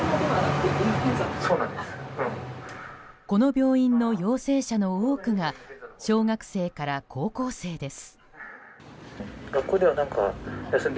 この病院の陽性者の多くが小学生から高校生です。